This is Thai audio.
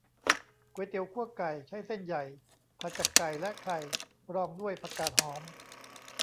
ก๋วยเตี๋ยวคั่วไก่ ใช้เส้นใหญ่ ผัดกับไก่และไข่ รองด้วยผักกาดหอม